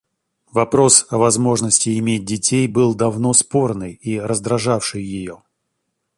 Вопрос о возможности иметь детей был давно спорный и раздражавший ее.